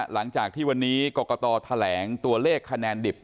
หลังจากที่วันนี้กรกตแถลงตัวเลขคะแนนดิบ